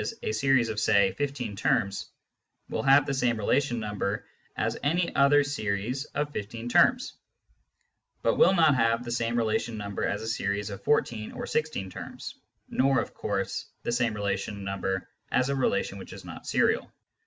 a series of (say) 15 terms will have the same relation number as any oth^r series of fifteen terms, but will not have the same relation number as a series of 14 or 16 terms, nor, of course, the same relation number as a relation which is not serial.